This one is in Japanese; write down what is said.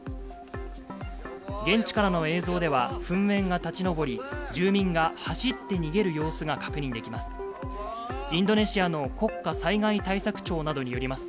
現地からの映像では、噴煙が立ち上り、住民が走って逃げる様子が確認できます。